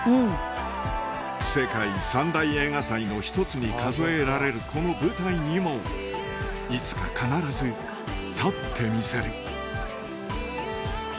世界三大映画祭の１つに数えられるこの舞台にもいつか必ず立ってみせるあ